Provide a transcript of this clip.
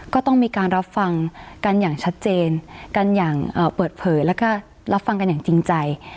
ก็ต้องมีการรับฟังกันอย่างชัดเจนกันอย่างเปิดเผยแล้วก็รับฟังกันอย่างจริงใจ